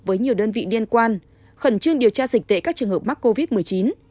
với nhiều đơn vị liên quan khẩn trương điều tra dịch tễ các trường hợp mắc covid một mươi chín